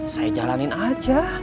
saya jalanin aja